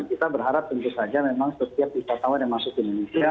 kita berharap tentu saja memang setiap wisatawan yang masuk ke indonesia